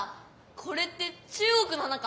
これって中国の花か？